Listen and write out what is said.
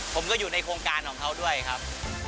ผมก็อยู่ในโครงการของเขาด้วยครับ